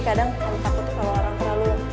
kadang aku takut kalau orang terlalu